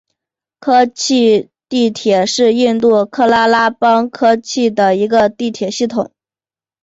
科契地铁是印度喀拉拉邦科契的一个地铁系统。